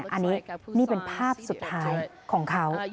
อันนี้นี่เป็นภาพสุดท้ายของเขา